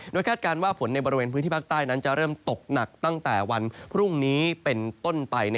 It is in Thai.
โดยคาดการณ์ว่าฝนในบริเวณพื้นที่ภาคใต้นั้นจะเริ่มตกหนักตั้งแต่วันพรุ่งนี้เป็นต้นไป